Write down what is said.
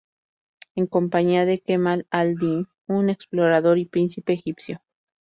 En compañía de Kemal al-Din, un explorador y príncipe egipcio.